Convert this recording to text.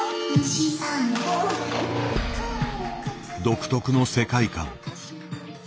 独特の世界観。